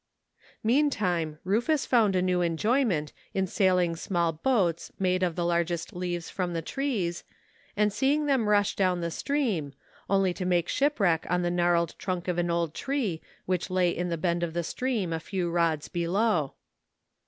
Meantime Rufus found a new enjoyment in sailing small boats made of the largest leaves from the trees, and seeing them rush down the stream, only to make shipwreck on the gnarled trunk of an old tree which lay in the bend of the stream a few rods below.